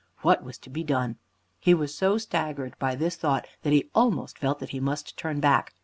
What was to be done? He was so staggered by this thought that he almost felt that he must turn back.